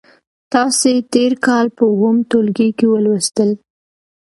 تاسې تېر کال په اووم ټولګي کې ولوستل.